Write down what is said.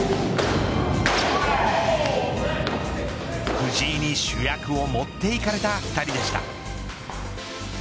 藤井に主役を持っていかれた２人でした。